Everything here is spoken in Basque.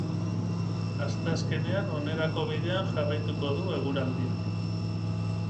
Asteazkenean onerako bidean jarraituko du eguraldiak.